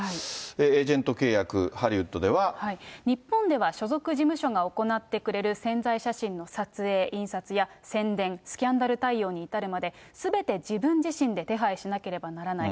エージェント契約、日本では、所属事務所が行ってくれる宣材写真の撮影、印刷や宣伝、スキャンダル対応に至るまで、すべて自分自身で手配しなければならない。